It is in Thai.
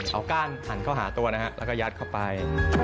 เอาก้านหันเข้าหาตัวนะฮะแล้วก็ยัดเข้าไป